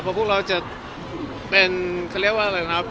เพราะพวกเราจะเป็นเขาเรียกว่าอะไรครับ